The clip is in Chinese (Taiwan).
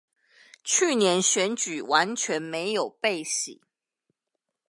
去年選舉完全沒有被洗